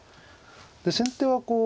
で先手はこう。